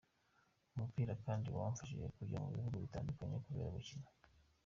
Umupira kandi wamfashije kujya mu bihugu bitandukanye kubera gukina.